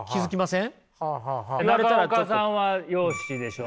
中岡さんは容姿でしょ。